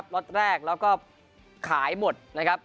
แล้วก็ขายหมดนะครับ